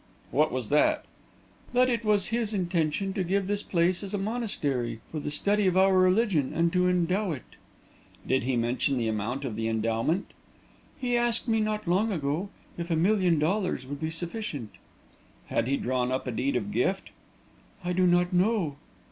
"What was that?" "That it was his intention to give this place as a monastery for the study of our religion, and to endow it." "Did he mention the amount of the endowment?" "He asked me, not long ago, if a million dollars would be sufficient." "Had he drawn up a deed of gift?" "I do not know."